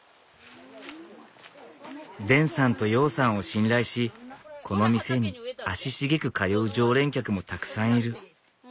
デンさんと陽さんを信頼しこの店に足しげく通う常連客もたくさんいる。